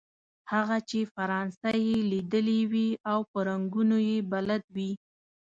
هغه چې فرانسه یې ليدلې وي او په رنګونو يې بلد وي.